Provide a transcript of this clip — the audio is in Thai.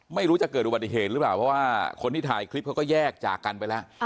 ไม่รู้จะเกิดอุบัติเหตุหรือเปล่าเพราะว่าคนที่ถ่ายคลิปเขาก็แยกจากกันไปแล้ว